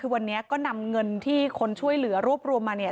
คือวันนี้ก็นำเงินที่คนช่วยเหลือรวบรวมมาเนี่ย